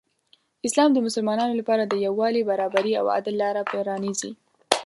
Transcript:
اسلام د مسلمانانو لپاره د یو والي، برابري او عدل لاره پرانیزي.